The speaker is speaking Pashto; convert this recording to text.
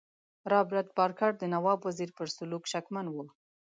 رابرټ بارکر د نواب وزیر پر سلوک شکمن وو.